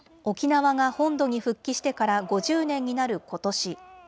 沖縄が本土に復帰してから５０年になることし。